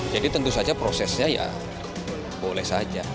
jadi tentu saja prosesnya ya boleh saja